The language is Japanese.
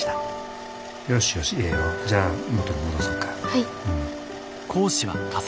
はい。